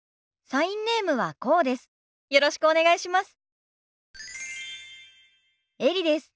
サインネームはこうです。